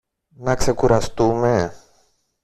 να ξεκουραστούμε;